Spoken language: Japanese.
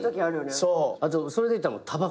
あとそれでいったらたばこね。